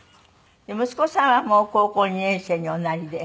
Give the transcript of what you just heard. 息子さんはもう高校２年生におなりで。